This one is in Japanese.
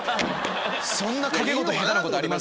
そんな賭け事下手なことあります？